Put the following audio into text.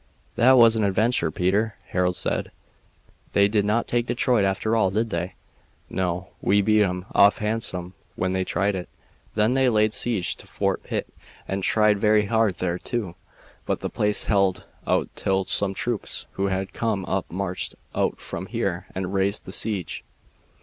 "That was an adventure, Peter!" Harold said. "They did not take Detroit after all, did they?" "No; we beat 'em off handsome when they tried it. Then they laid siege to Fort Pitt and tried very hard there, too, but the place held out till some troops who had come up marched out from here and raised the siege.